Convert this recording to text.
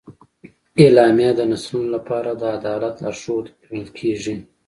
اعلامیه د نسلونو لپاره د عدالت لارښود ګڼل کېږي.